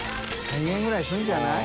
隠娃娃円ぐらいするんじゃない？